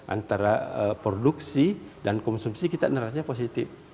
antara produksi dan konsumsi kita neraca positif